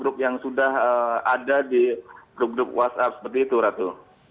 grup yang sudah ada di grup grup whatsapp seperti itu ratu